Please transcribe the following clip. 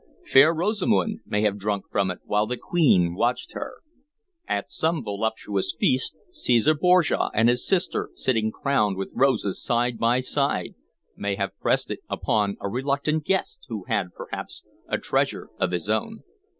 Fair Rosamond may have drunk from it while the Queen watched her. At some voluptuous feast, Caesar Borgia and his sister, sitting crowned with roses, side by side, may have pressed it upon a reluctant guest, who had, perhaps, a treasure of his own.